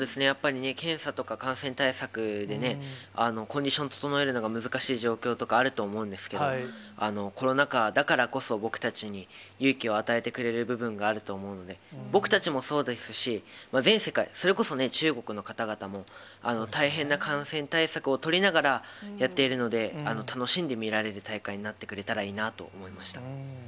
やっぱりね、検査とか、感染対策でね、コンディション整えるのが難しい状況とかあると思うんですけど、コロナ禍だからこそ、僕たちに勇気を与えてくれる部分があると思うので、僕たちもそうですし、全世界、それこそ中国の方々も、大変な感染対策を取りながらやっているので、楽しんで見られる大会になってくれたらいいなと思いました。